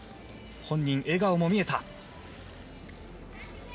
本人、笑顔も見えた。